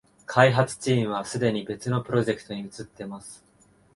開発チームはすでに別のプロジェクトに移ってます